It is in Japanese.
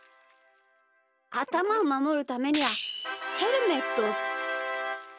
あたまをまもるためにはヘルメット。